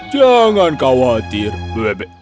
jangan khawatir bebek